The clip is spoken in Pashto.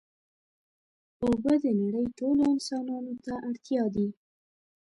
اوبه د نړۍ ټولو انسانانو ته اړتیا دي.